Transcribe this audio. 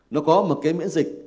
nó có một cái miễn dịch